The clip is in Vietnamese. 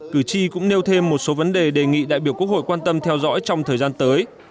cử tri cũng nêu thêm một số vấn đề đề nghị đại biểu quốc hội quan tâm theo dõi trong thời gian tới